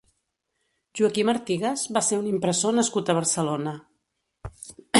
Joaquim Artigas va ser un impressor nascut a Barcelona.